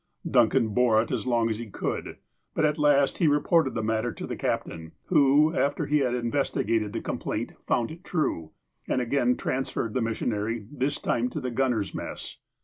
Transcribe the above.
Duncan bore it as long as he could. But at last he re ported the matter to the captain, who, after he had in vestigated the complaint, fouud it true, and again trans ferred the missionary, this time to the gunners' mess.